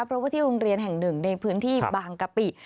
เพราะว่าที่โรงเรียนแห่งหนึ่งในพื้นที่บางกะปิ